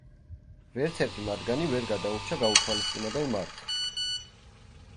ვერცერთი მათგანი ვერ გადაურჩა გაუთვალისწინებელ მარცხს.